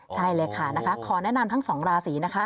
ใช่เลยค่ะนะคะขอแนะนำทั้งสองราศีนะคะ